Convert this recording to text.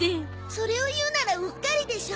それを言うならうっかりでしょ。